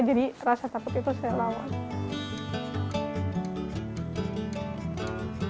jadi rasa takut itu saya lawan